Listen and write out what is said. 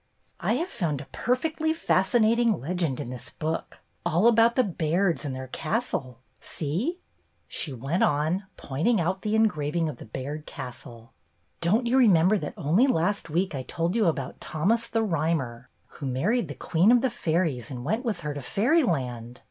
"I have found a perfectly fascinating legend in this book, all about the COMING EVENTS 3 Bairds and their castle. See !" she went on, pointing out the engraving of the Baird castle. "Don't you remember that only last week I told you about Thomas the Rhymer, who married the Queen of the Fairies and went with her to Fairyland?